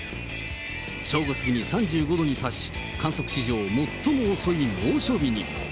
正午過ぎに３５度に達し、観測史上最も遅い猛暑日に。